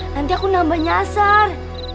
nanti aku nambah nyasar